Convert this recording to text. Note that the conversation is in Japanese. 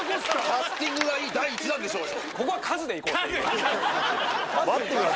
キャスティングがいい第１弾でしょうよ。